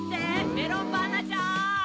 メロンパンナちゃん。